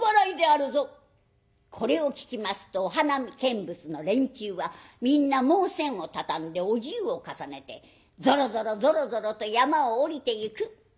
これを聞きますとお花見見物の連中はみんなもうせんを畳んでお重を重ねてぞろぞろぞろぞろと山を下りてゆく。